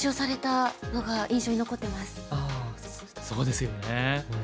そうですよね。